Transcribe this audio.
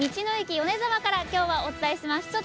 米沢からお伝えします。